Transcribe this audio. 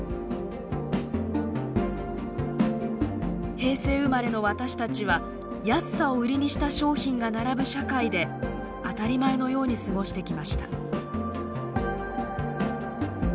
平成生まれの私たちは安さを売りにした商品が並ぶ社会で当たり前のように過ごしてきました。